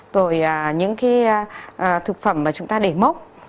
rồi những cái thực phẩm mà chúng ta để mốc